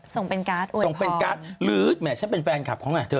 ส่งเป็นการ์ดอวยพรส่งเป็นการ์ดหรือฉันเป็นแฟนคับของนายเธอ